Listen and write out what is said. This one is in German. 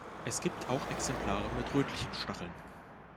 Es gibt auch Exemplare mit rötlichen Stacheln.